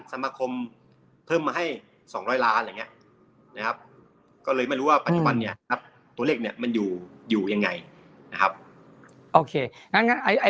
สมัครคมเพิ่มมาให้๒๐๐ล้านก็เลยไม่รู้ว่าปัจจุบันนี้ตัวเลขมันอยู่อย่างไร